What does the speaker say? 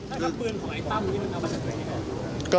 แล้วครับปืนของไอ้ตั้มที่มันเอามาจัดไหนครับ